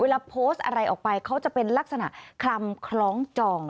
โพสต์อะไรออกไปเขาจะเป็นลักษณะคลำคล้องจอง